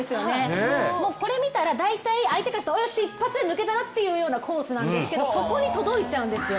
これ見たら大体相手からよし、一発抜けたなというコースなんですけどそこに届いちゃうんですよ。